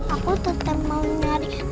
aku tetep mau nyari